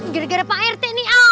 gara gara pak rt nih ha